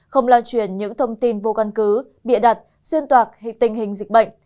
không lan truyền những thông tin vô căn cứ bịa đặt xuyên toạc tình hình dịch bệnh